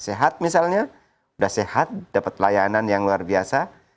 sehat misalnya sudah sehat dapat layanan yang luar biasa